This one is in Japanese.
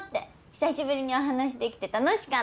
久しぶりにお話しできて楽しかった。